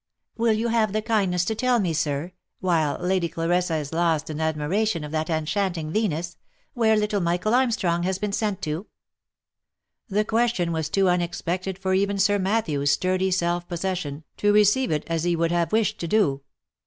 Will you have the kindness to tell me, sir, while Lady Clarissa is lost in admi ration of that enchanting Venus, where little Michael Armstrong has been sent to?" The question was too unexpected for even Sir Matthew's sturdy self possession, to receive it as he would have wished to do.